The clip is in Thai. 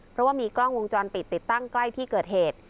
เพราะว่ามีกล้องวงจรปิดติดตั้งใกล้ที่เกิดเหตุ